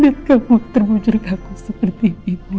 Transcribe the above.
biar kamu termuncul ke aku seperti ini